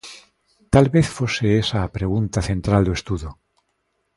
Talvez fose esa a pregunta central do estudo: